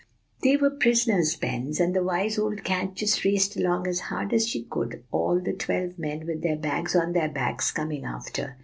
"They were prisoners' pens; and the wise old cat just raced along as hard as she could, all the twelve men, with their bags on their backs, coming after.